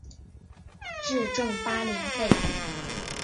至正八年废。